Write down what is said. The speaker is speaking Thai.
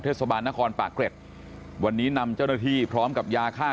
เทศบาลนครปากเกร็ดวันนี้นำเจ้าหน้าที่พร้อมกับยาฆ่า